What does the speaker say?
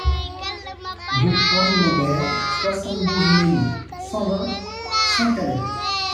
Rue Henri Maubert, soixante-douze mille cent vingt Saint-Calais